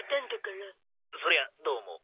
そりゃどうも。